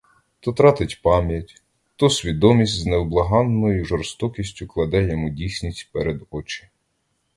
То тратить пам'ять, то свідомість з невблаганною жорстокістю кладе йому дійсність перед очі.